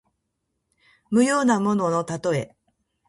無用なもののたとえ。